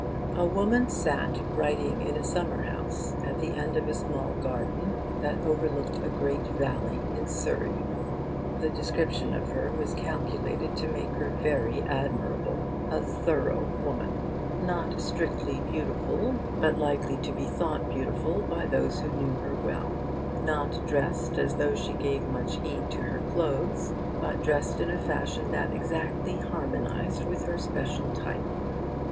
A woman sat writing in a summer house at the end of a small garden that overlooked a great valley in Surrey. The description of her was calculated to make her very admirable a thorough woman, not strictly beautiful, but likely to be thought beautiful by those who knew her well; not dressed as though she gave much heed to her clothes, but dressed in a fashion that exactly harmonised with her special type.